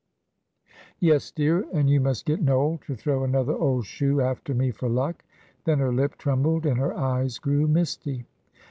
"Yes, dear; and you must get Noel to throw another old shoe after me for luck." Then her lip trembled and her eyes grew misty.